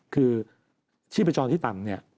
คือชีพจรที่ต่ำ